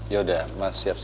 ya udah mas siap siap dulu mas